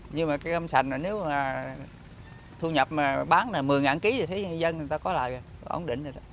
nhưng mà cây cam sành nếu thu nhập bán một mươi kg thì thấy người dân có lại ổn định